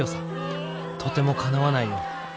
とてもかなわないよ。